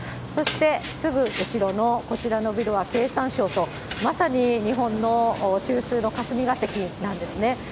そしてすぐ後ろのこちらのビルは経産省と、まさに日本の中枢の霞が関なんですね。